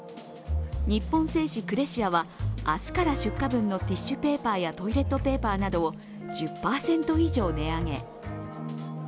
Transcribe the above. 日本製紙クレシアは明日から出荷分のティッシュペーパーやトイレットペーパーなどを１０％以上値上げ。